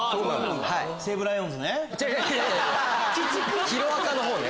「西武ライオンズ」ね。